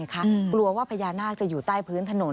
กลัวว่าพญานาคจะอยู่ใต้พื้นถนน